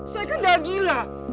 saya kan dah gila